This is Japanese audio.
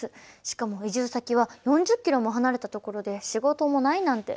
しかも移住先は４０ｋｍも離れたところで仕事もないなんて。